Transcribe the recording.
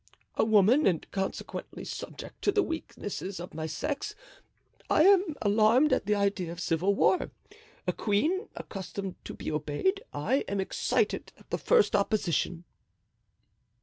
A woman, and consequently subject to the weaknesses of my sex, I am alarmed at the idea of civil war; a queen, accustomed to be obeyed, I am excited at the first opposition."